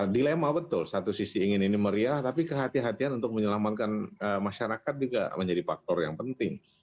dilema betul satu sisi ingin ini meriah tapi kehatian kehatian untuk menyelamatkan masyarakat juga menjadi faktor yang penting